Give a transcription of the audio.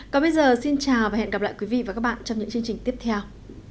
còn bây giờ xin chào và hẹn gặp lại quý vị và các bạn trong những chương trình tiếp theo